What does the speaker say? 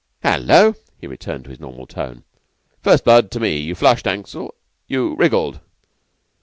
"Hullo!" He returned to his normal tone. "First blood to me. You flushed, Ansell. You wriggled."